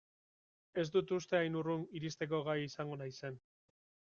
Ez dut uste hain urrun iristeko gai izango naizen.